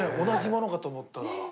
同じものかと思ったら。